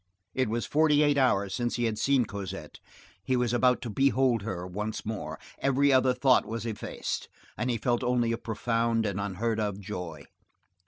It was forty eight hours since he had seen Cosette; he was about to behold her once more; every other thought was effaced, and he felt only a profound and unheard of joy.